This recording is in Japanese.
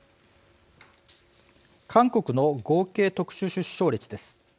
韓国の合計特殊出生率です。